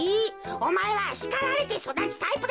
おまえはしかられてそだつタイプだ。